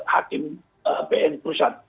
hakim pn pusat